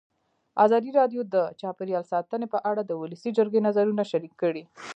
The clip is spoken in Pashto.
ازادي راډیو د چاپیریال ساتنه په اړه د ولسي جرګې نظرونه شریک کړي.